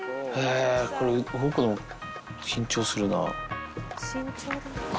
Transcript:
これ、動くの緊張するなあ。